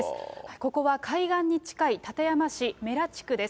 ここは海岸に近い館山市めら地区です。